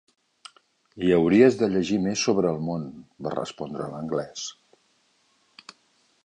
"I hauries de llegir més sobre el món" va respondre l'anglès.